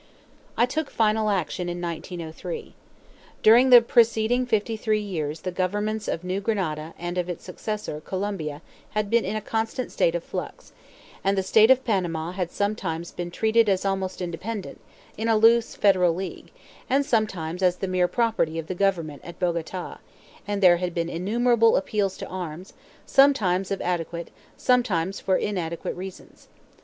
I took final action in 1903. During the preceding fifty three years the Governments of New Granada and of its successor, Colombia, had been in a constant state of flux; and the State of Panama had sometimes been treated as almost independent, in a loose Federal league, and sometimes as the mere property of the Government at Bogota; and there had been innumerable appeals to arms, sometimes of adequate, sometimes for inadequate, reasons.